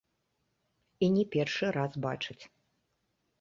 І не першы раз бачыць.